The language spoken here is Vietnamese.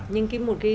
nhưng cái một cái